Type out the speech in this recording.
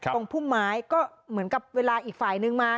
พุ่มไม้ก็เหมือนกับเวลาอีกฝ่ายนึงมา